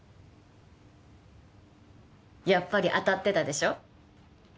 やっぱり当たってたでしょ